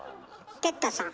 哲太さん。